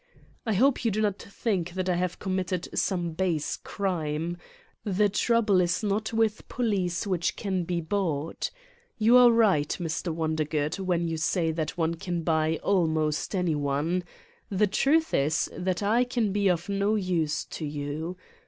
"I hope you do not think that I have committed some base crime. The trouble is not with police which can be bought. You are right, Mr. Wondergood, when you say that one can buy almost any one. The truth is that I can be of no use to you.